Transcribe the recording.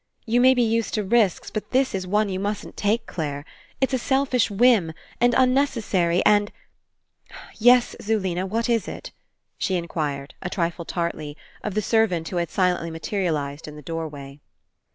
You may be used to risks, but this is one you mustn't take, Clare. It's a selfish whim, an unnecessary and — "Yes, Zulena, what is it?" she inquired, a trifle tartly, of the servant who had silently materialized in the doorway.